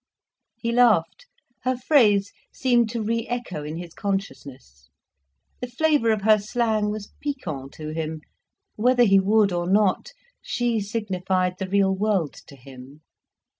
He laughed, her phrase seemed to re echo in his consciousness. The flavour of her slang was piquant to him. Whether he would or not, she signified the real world to him.